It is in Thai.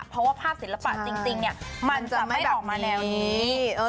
เพราะว่าภาพศิลปะจริงมันจะไม่ออกมาแนวนี้